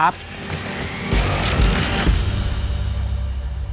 โปรดติดตามตอนต่อไป